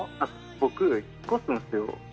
僕、引っ越すんですよ。